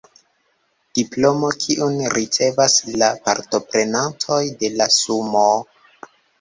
Diplomo kiun ricevas la partoprenantoj de la sumoo